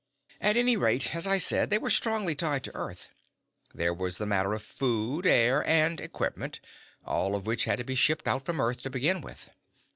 "At any rate, as I said, they were strongly tied to Earth. There was the matter of food, air, and equipment, all of which had to be shipped out from Earth to begin with.